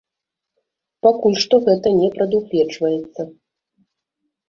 Пакуль што гэта не прадугледжваецца.